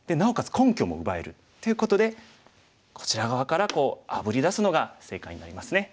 根拠も奪える。ということでこちら側からあぶり出すのが正解になりますね。